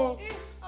tak jadi sekian